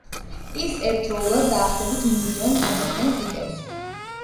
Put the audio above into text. ის ერთდროულად დაახლოებით მილიონ ადამიანს იტევს.